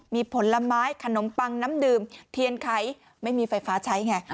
มีผลไม้ขนมปังน้ำดื่มเทียนไขไม่มีไฟฟ้าใช้ไง